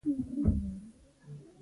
احمد د دفتر کارونه زوی ته وسپارل.